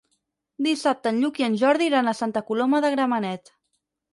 Dissabte en Lluc i en Jordi iran a Santa Coloma de Gramenet.